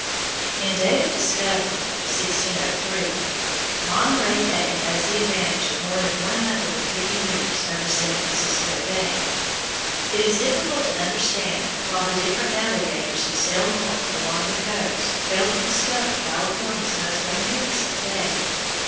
In date of discovery (1603) Monterey Bay has the advantage of more than one hundred and fifty years over San Francisco Bay. It is difficult to understand why the different navigators who sailed north along the coast failed to discover California's most magnificent bay.